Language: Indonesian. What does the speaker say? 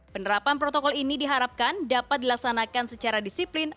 penerapan protokol ini diharapkan dapat dilaksanakan secara disiplin